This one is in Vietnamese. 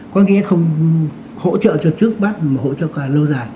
có nghĩa không hỗ trợ cho trước bắt mà hỗ trợ cho lâu dài